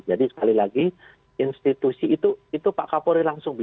jadi sekali lagi institusi itu itu pak kapolri langsung